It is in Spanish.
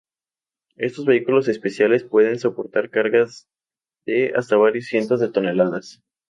Estos vehículos especiales pueden soportar cargas de hasta varios cientos de toneladas.